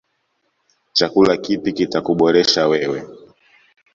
Chakula kipi kita kuboresha wewe.